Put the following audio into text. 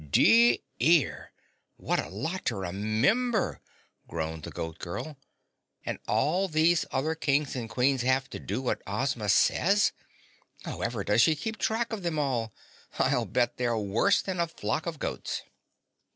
"Dear ear what a lot to remember," groaned the Goat Girl. "And all these other Kings and Queens have to do what Ozma says? However does she keep track of them all? I'll bet they're worse than a flock of goats."